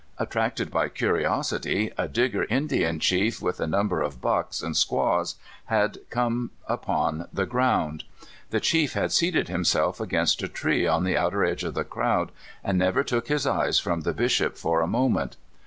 Attracted by curiosity, a Digger Indian chief, with a number of "bucks" and squaws, had come upon the ground. The chief had seated himself . against a tree on the outer edge of the crowd, and never took his eyes from the Bishop for a moment.